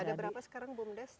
ada berapa sekarang bumdes